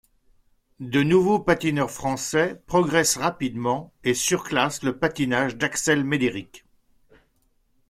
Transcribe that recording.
De nouveaux patineurs français progressent rapidement et surclassent le patinage d'Axel Médéric.